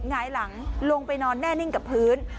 หงายหลังลงไปนอนแน่นิ่งกับพื้น